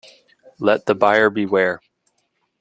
Let the buyer beware.